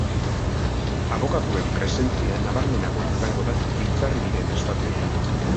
Abokatuen presentzia nabarmenagoa izango da giltzarri diren estatuetan.